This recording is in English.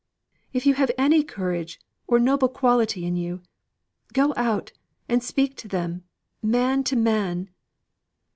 If you have any courage or noble quality in you, go out and speak to them, man to man!"